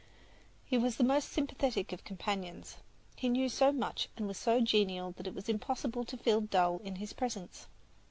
He was the most sympathetic of companions. He knew so much and was so genial that it was impossible to feel dull in his presence.